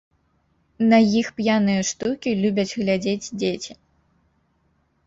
На іх п'яныя штукі любяць глядзець дзеці.